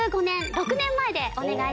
６年前でお願いします。